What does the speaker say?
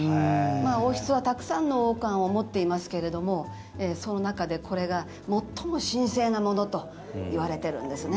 王室はたくさんの王冠を持っていますけれどもその中でこれが最も神聖なものといわれてるんですね。